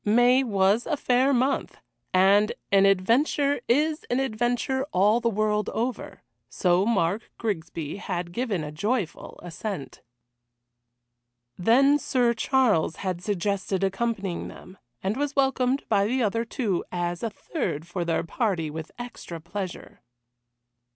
May was a fair month, and an adventure is an adventure all the world over, so Mark Grigsby had given a joyful assent. Then Sir Charles had suggested accompanying them, and was welcomed by the other two as a third for their party with extra pleasure.